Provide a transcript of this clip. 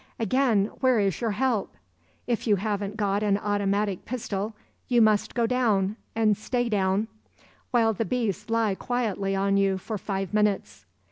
Again, where is your help? If you haven't got an automatic pistol, you must go down and stay down, while the beasts lie quietly on you for five minutes.